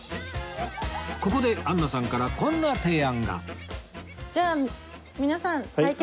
ここでアンナさんからこんな提案が対決！